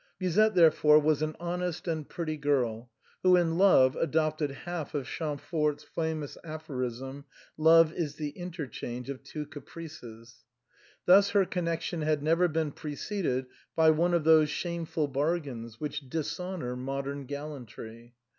Musette, therefore, was an honest and pretty girl, who in love adopted half of Champfort's famous aphorism, " Love is the interchange of two caprices." Thus her connection had never been preceded by one of those shame ful bargains which dishonor modern gallantry.